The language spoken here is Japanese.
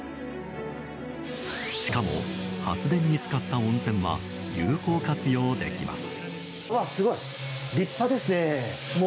しかも、発電に使った温泉は有効活用できます。